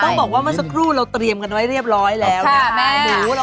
ต้องบอกว่ามาสะกรู่เราเตรียมกันไว้เรียบร้อยแล้ว